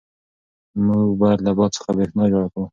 موږ باید له باد څخه برېښنا جوړه کړو.